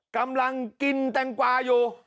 กำลังกินแตงกวาอยู่